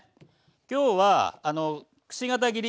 きょうはくし形切り。